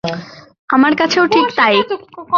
আমার কাছেও ঠিক তাই।